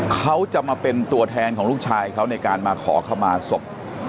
เขาจะมาเป็นตัวแทนของลูกชายเขาในการมาขอเข้ามาศพ